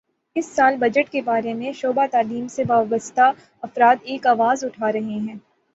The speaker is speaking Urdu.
اس سال بجٹ کے بارے میں شعبہ تعلیم سے وابستہ افراد ایک آواز اٹھا رہے ہیں